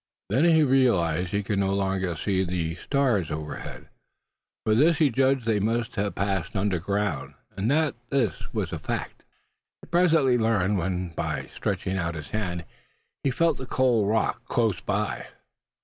Then he realized that he could no longer see the stars overhead. From this he judged they must have passed underground; and that this was a fact he presently learned when, by stretching out his hand, he felt the cold rock close by.